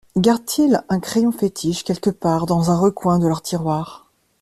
Gardent-ils un crayon fétiche quelque part dans un recoin de leur tiroir?